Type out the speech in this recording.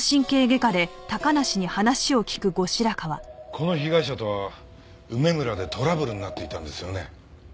この被害者とは梅むらでトラブルになっていたんですよね？